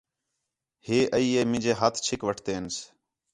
ہے ای ہِے مینجے ہَتھ چِھک وٹھتینس